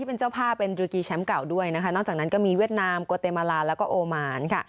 ออกจากนั้นก็มีเวียดนามกวาเตมลานแล้วก็โอมาน